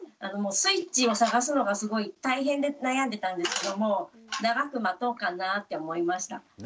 スイッチを探すのがすごい大変で悩んでたんですけども長く待とうかなぁって思いました。